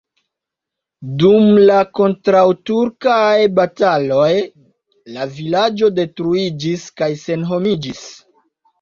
Dum la kontraŭturkaj bataloj la vilaĝo detruiĝis kaj senhomiĝis.